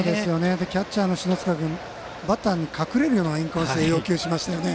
キャッチャーの篠塚君もバッターに隠れるようなインコースを要求しましたよね。